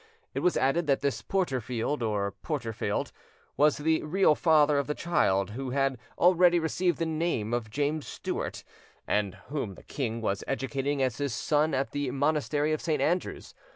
It was added that this Porterfeld, or Porterfield, was the real father of the child who had already received the name of James Stuart, and whom the king was educating as his son at the monastery of St. Andrews.